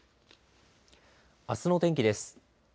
あすの天気です。